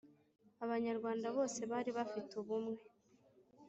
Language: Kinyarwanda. Abanyarwanda bose bari bafite ubumwe